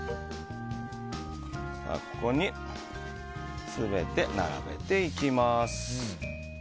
ここに全て並べていきます。